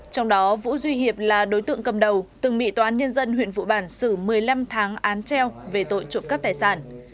trong đó vũ duy hiệp là đối tượng cầm đầu từng bị tòa án nhân dân huyện vụ bản xử một mươi năm tháng án treo về tội trộm cắp tài sản